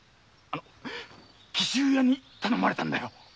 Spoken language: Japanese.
紀州屋に頼まれたんだよ。